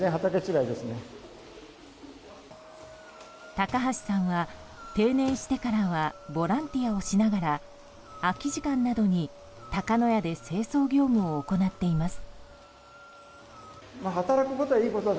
高橋さんは、定年してからはボランティアをしながら空き時間などに高野屋で清掃業務を行っています。